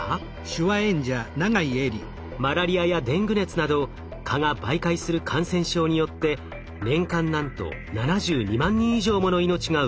マラリアやデング熱など蚊が媒介する感染症によって年間なんと７２万人以上もの命が奪われています。